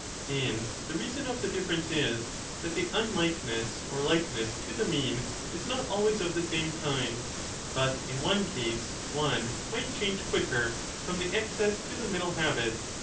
And the reason of the difference is that fthe unlikeness or likeness to the mean is 25 not always of the same kindf, but in one case one might change quicker from the excess to the middle habit, some 2 5 = E.